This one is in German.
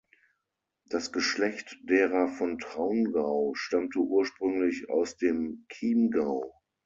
Das Geschlecht derer von Traungau stammte ursprünglich aus dem Chiemgau.